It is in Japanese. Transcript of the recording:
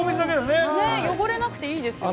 ◆汚れなくていいですよね。